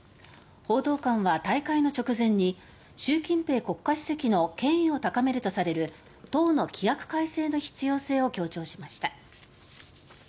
報道官は大会の直前に習近平国家主席の権威を高めるとされる党の規約改正の必要性を強調しました。